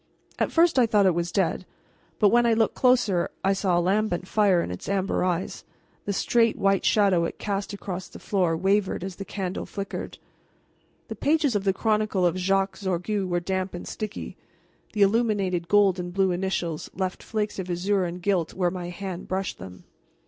At first I thought it was dead, but when I looked closer I saw a lambent fire in its amber eyes. The straight white shadow it cast across the floor wavered as the candle flickered. The pages of the Chronicle of Jacques Sorgue were damp and sticky; the illuminated gold and blue initials left flakes of azure and gilt where my hand brushed them.